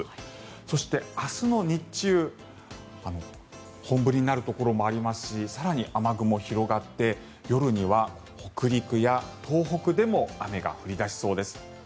そして、明日の日中本降りになるところもありますし更に雨雲、広がって夜には北陸や東北でも雨が降り出しそうです。